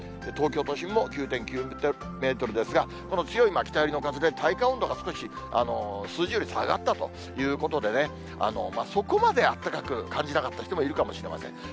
東京都心も９．９メートルですが、この強い北寄りの風で、体感温度が少し数字より下がったということでね、そこまであったかく感じなかった人もいるかもしれません。